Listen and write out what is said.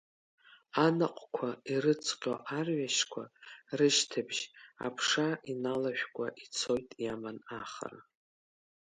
Анаҟәқәа ирыҵҟьо арҩашқәа, рышьҭыбжь аԥша иналашәкәа, ицоит иаман ахара…